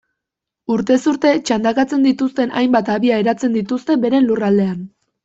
Urtez urte txandakatzen dituzten hainbat habia eratzen dituzte beren lurraldean.